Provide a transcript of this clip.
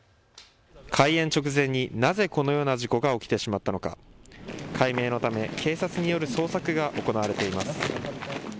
開園直前になぜこのような事故が起きてしまったのか解明のため警察による捜索が行われています。